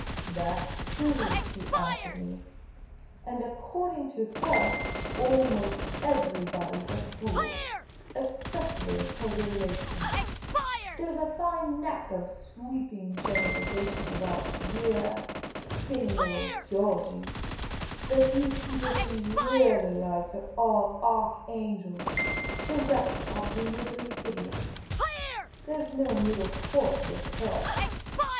" That 's true," he answered, measuring me. " And according to her, almost everybody 's a fool — especially her relations. There 's The Pea Green Patrician 215 a fine knack of sweeping generalisation about deah, skinny old Georgey. The few people she reahlly likes are all arch angels ; the rest are blithering idiots ; there 's no middle course with her."